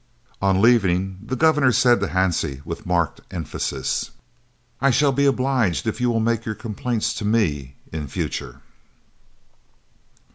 On leaving, the Governor said to Hansie with marked emphasis: "I shall be obliged if you will make your complaints to me in future."